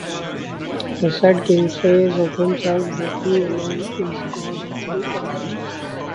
The said king says of himself that he alone is god of the earth.